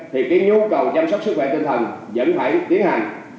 những nhu cầu chăm sóc sức khỏe tinh thần vẫn phải tiến hành